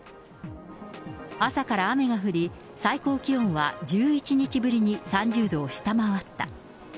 朝から雨が降り、最高気温は１１日ぶりに３０度を下回った。